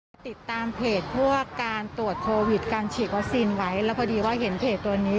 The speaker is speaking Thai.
ก่อนเราจะมาถึงน่าเกือบ๕ทุ่ม